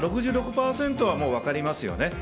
６６％は分かりますよね。